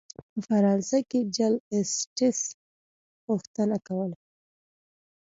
په فرانسه کې جل اسټټس غوښتنه کوله.